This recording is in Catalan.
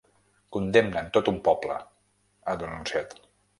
Condemnen tot un poble, ha denunciat.